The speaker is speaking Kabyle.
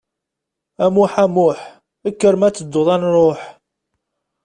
A Muĥ, a Muḥ, kker ma tedduḍ ad nruḥ.